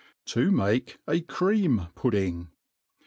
To make a Cream Pudding.